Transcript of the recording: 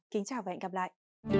kính chào và hẹn gặp lại